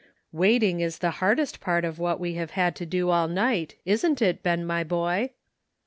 "Waiting, is the hardest part of what we have had to do all night, isn't it, Ben, my boy?"